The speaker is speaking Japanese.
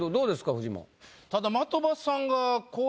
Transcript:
フジモン。